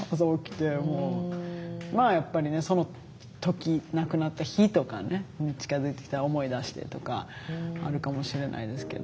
まあやっぱりねその時亡くなった日とか近づいてきたら思い出してとかあるかもしれないですけど。